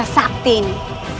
pusaka sakti ini